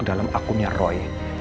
dalam akunnya roy